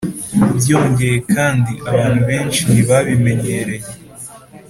Byongeye kandi abantu benshi ntibabimenyereye